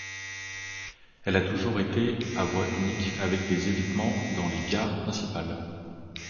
Elle a toujours été à voie unique avec des évitements dans les gares principales.